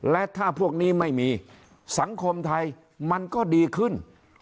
และถ้าพวกนี้ไม่มีสังคมไทยมันก็ดีขึ้น